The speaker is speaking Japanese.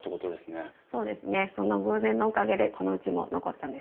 そうですねその偶然のおかげでこのうちも残ったんです。